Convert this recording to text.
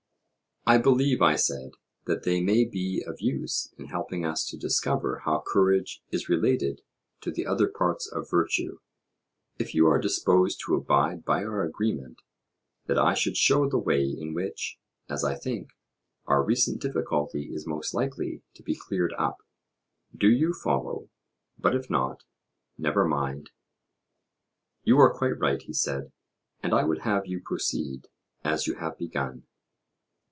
I believe, I said, that they may be of use in helping us to discover how courage is related to the other parts of virtue. If you are disposed to abide by our agreement, that I should show the way in which, as I think, our recent difficulty is most likely to be cleared up, do you follow; but if not, never mind. You are quite right, he said; and I would have you proceed as you have begun.